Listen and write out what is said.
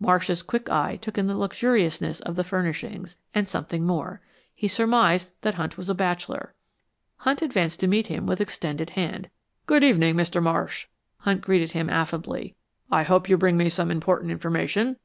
Marsh's quick eye took in the luxuriousness of the furnishings and something more. He surmised that Hunt was a bachelor. Hunt advanced to meet him with extended hand. "Good evening, Mr. Marsh," Hunt greeted him, affably. "I hope you bring me some important information."